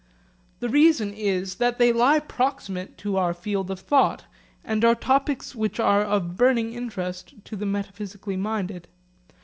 The reason is that they lie proximate to our field of thought, and are topics which are of burning interest to the metaphysically minded.